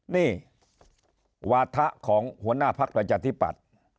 นี่วาถะของหัวหน้าพักประชาธิปัตย์